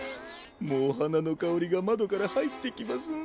もうはなのかおりがまどからはいってきますな。